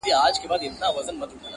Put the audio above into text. ته د رنگونو د خوبونو و سهار ته گډه~